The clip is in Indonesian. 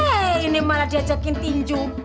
eh ini malah diajakin tinju